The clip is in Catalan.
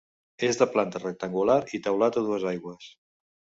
És de planta rectangular i teulat a dues aigües.